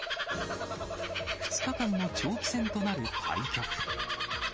２日間の長期戦となる対局。